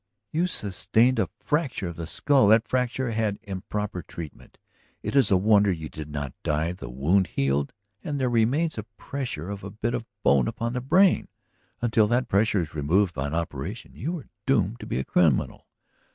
"You sustained a fracture of the skull. That fracture had improper treatment. It is a wonder you did not die. The wound healed and there remains a pressure of a bit of bone upon the brain. Until that pressure is removed by an operation you are doomed to be a criminal.